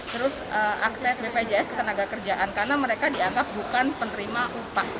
terus akses bpsjs ketenagakerjaan karena mereka dianggap bukan penerima upah